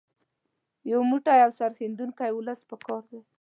یو موټی او سرښندونکی ولس په کار دی.